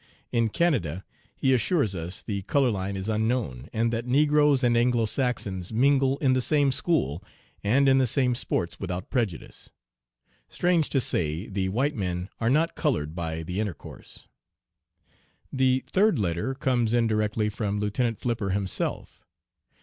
In Canada, he assures us, the color line is unknown, and that negroes and Anglo Saxons mingle in the same school and in the same sports without prejudice. Strange to say the white men are not colored by the intercourse. "The third letter comes indirectly from Lieutenant Flipper himself.